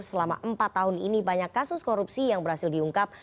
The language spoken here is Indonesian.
selama empat tahun ini banyak kasus korupsi yang berhasil diungkap